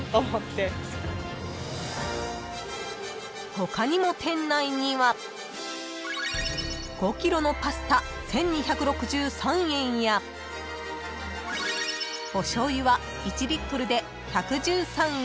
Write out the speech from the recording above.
［他にも店内には５ｋｇのパスタ１，２６３円やおしょうゆは１リットルで１１３円］